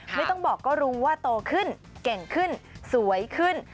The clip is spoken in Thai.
ไม่ต้องบอกก็รู้ว่าโตขึ้นเก่งขึ้นสวยขึ้น